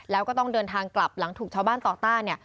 แล้วก็ต้องเดินทางกลับหลังถูกชาวบ้านต่อต้านเนี่ย